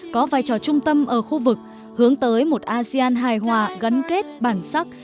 có vai trò trung tâm ở khu vực hướng tới một asean hài hòa gắn kết bản sắc